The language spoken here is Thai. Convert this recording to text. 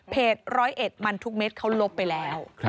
เพจ๑๐๑มันทุกเม็ดเขาลบไปแล้ว